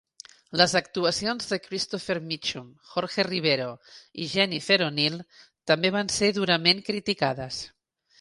Les actuacions de Christopher Mitchum, Jorge Rivero i Jennifer O'Neill també van ser durament criticades.